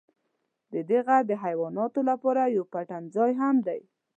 ددې غر د حیواناتو لپاره یو پټنځای هم دی.